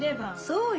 そうよ。